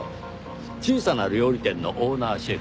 小さな料理店のオーナーシェフ。